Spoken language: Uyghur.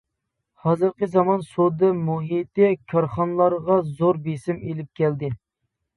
ھازىرقى زامان سودا مۇھىتى كارخانىلارغا زور بېسىم ئېلىپ كەلدى.